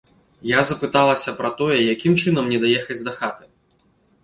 Я запыталася пра тое, якім чынам мне даехаць дахаты?